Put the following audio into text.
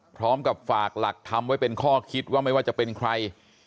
พร้อมกับฝากหลักทำไว้เป็นข้อคิดว่าไม่ว่าจะเป็นใคร